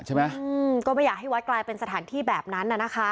ใช่ไหมอืมก็ไม่อยากให้วัดกลายเป็นสถานที่แบบนั้นน่ะนะคะ